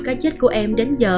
cá chết của em đến giờ